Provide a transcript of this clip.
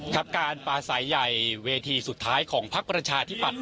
ครับการปลาสายใหญ่เวทีสุดท้ายของพักประชาธิปัตย